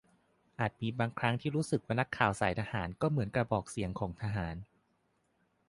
อาจมีบางครั้งที่รู้สึกว่านักข่าวสายทหารก็เป็นเสมือนกระบอกเสียงของทหาร